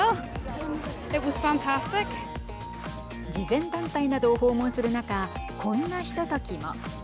慈善団体などを訪問する中こんなひとときも。